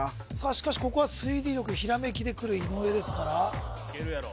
しかしここは推理力ひらめきでくる井上ですから・いけるやろ・